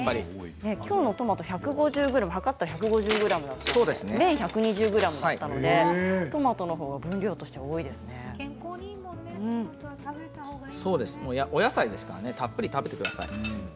きょうのトマト量ったら１５０ｇ麺１２０ｇだったのでトマトのほうが分量としてはお野菜ですからたっぷり食べてください。